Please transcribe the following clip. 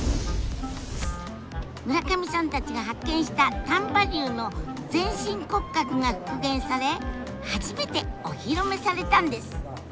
村上さんたちが発見した丹波竜の全身骨格が復元され初めてお披露目されたんです。